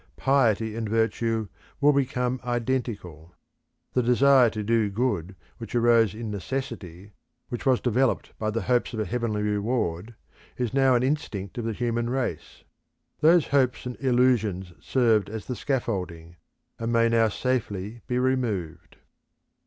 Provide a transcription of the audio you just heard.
Piety and virtue will become identical. The desire to do good which arose in necessity, which was developed by the hopes of a heavenly reward, is now an instinct of the human race. Those hopes and illusions served as the scaffolding, and may now safely be removed.